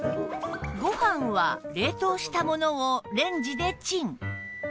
ご飯は冷凍したものをレンジでチン